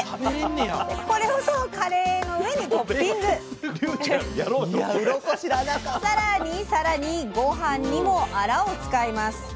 これをカレーの上にトッピング更に更に御飯にもアラを使います。